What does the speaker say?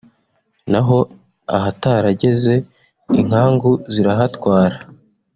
naho ahatarageze inkangu zirahatwara